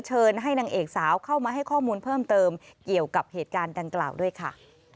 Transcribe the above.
เชิญให้นางเอกสาวเข้ามาให้ข้อมูลเพิ่มเติมเกี่ยวกับเหตุการณ์ดังกล่าวด้วยค่ะ